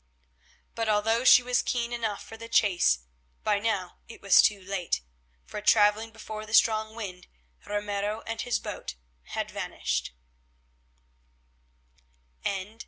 But although she was keen enough for the chase, by now it was too late, for, travelling before the strong wind, Ramiro and his boat had vanished.